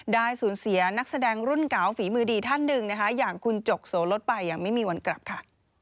ได้สูญเสียนักแสดงรุ่นเก่าฝีมือดีท่านหนึ่งนะคะอย่างคุณจกโสลดไปอย่างไม่มีวันกลับค่ะ